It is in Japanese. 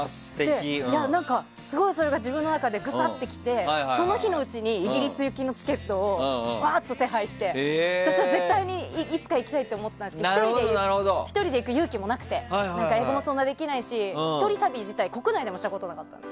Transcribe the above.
何か、すごいそれが自分の中でグサッときてその日のうちに、イギリス行きのチケットを手配して私は絶対にいつか行きたいって思っていたんですけど１人で行く勇気もなくて英語もそんなにできないし１人旅自体国内でもしたことなかった。